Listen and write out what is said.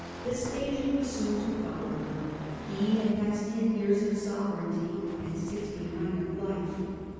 Vespasian was soon to follow her. He had passed ten years of sovereignty and sixty nine of life.